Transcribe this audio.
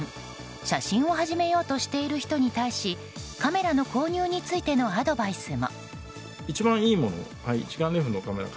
写真を始めようとしている人に対しカメラの購入についてのアドバイスも。